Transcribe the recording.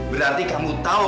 berarti kamu tahu